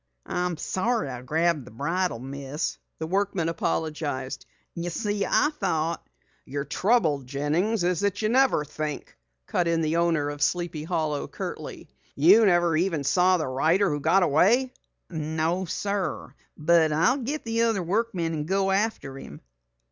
"I'm sorry I grabbed the bridle, Miss," the workman apologized. "You see, I thought " "Your trouble, Jennings, is that you never think!" cut in the owner of Sleepy Hollow curtly. "You never even saw the rider who got away?" "No, sir. But I'll get the other workmen and go after him."